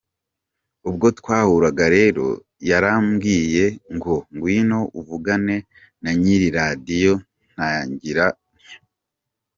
Ubwo twahuraga rero, yarambwiye ngo ngwino uvugane na nyiri radiyo, ntangira ntyo.